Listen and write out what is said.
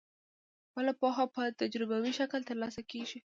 بله پوهه په تجربوي شکل ترلاسه کیږي.